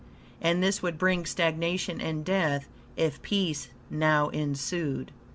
And this would bring stagnation and death, if peace now ensued.